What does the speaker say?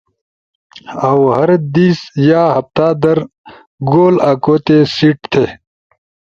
اؤ ہردیس یا ہفتہ در گول آکوتے سیٹ تھے۔